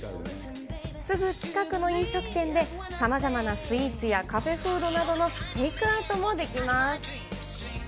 すぐ近くの飲食店で、さまざまなスイーツやカフェフードなどのテイクアウトもできます。